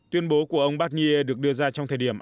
tuyên bố của ông barnier được đưa ra trong thời điểm